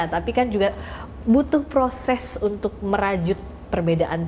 tapi kan juga butuh proses untuk merajut perbedaan